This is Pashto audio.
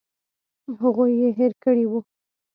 هغوی یې هېر کړي وو.